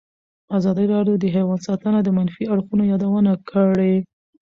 ازادي راډیو د حیوان ساتنه د منفي اړخونو یادونه کړې.